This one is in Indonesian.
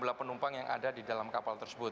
jumlah penumpang yang ada di dalam kapal tersebut